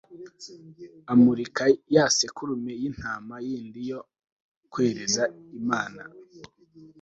amurika ya sekurume y'intama yindi yo kwereza imana